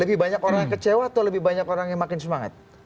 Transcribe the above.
orang orang kecewa atau lebih banyak orang yang semangat